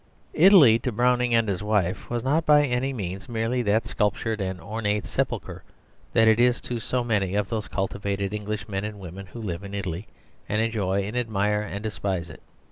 Italy to Browning and his wife was not by any means merely that sculptured and ornate sepulchre that it is to so many of those cultivated English men and women who live in Italy and enjoy and admire and despise it.